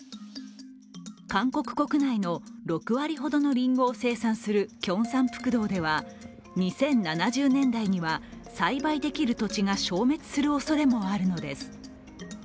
韓国国内の６割ほどのりんごを生産するキョンサンプクトでは２０７０年代には栽培できる土地が消滅するおそれもあるのです。